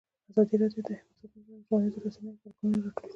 ازادي راډیو د حیوان ساتنه په اړه د ټولنیزو رسنیو غبرګونونه راټول کړي.